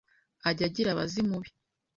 Ajya agira abazimu be